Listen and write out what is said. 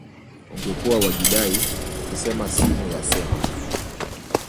Ungekuwa wajidai, ukisema simu yasema